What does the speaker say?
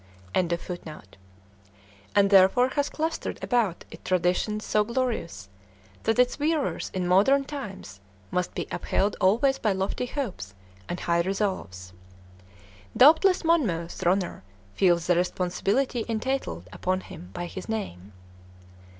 ] and therefore has clustering about it traditions so glorious that its wearers in modern times must be upheld always by lofty hopes and high resolves. Doubtless Monmouth Ronner feels the responsibility entailed upon him by his name.